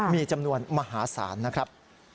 มีจำนวนมหาศาลนะครับ